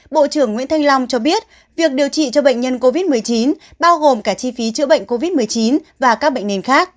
bộ trưởng nguyễn thanh long cho biết việc điều trị cho bệnh nhân covid một mươi chín bao gồm cả chi phí chữa bệnh covid một mươi chín và các bệnh nền khác